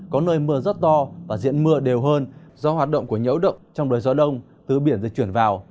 có nơi mưa rất to và diện mưa đều hơn do hoạt động của nhẫu động trong đời gió đông từ biển dịch chuyển vào